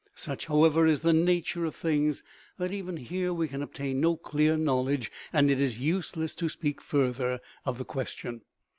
Such, however, is the nature of things that even here we can obtain no clear knowl edge, and it is useless to speak further of the question."